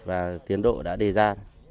và tiến độ đã đề ra